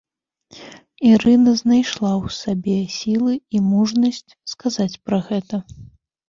Ірына знайшла ў сабе сілы і мужнасць сказаць пра гэта.